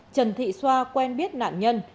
trần thị xoa quen biết nạn nhân